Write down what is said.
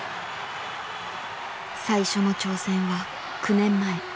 最初の挑戦は９年前。